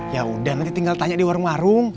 yaudah nanti tinggal tanya di warung dua